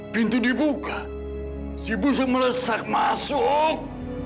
pintu dibuka si busu melesak masuk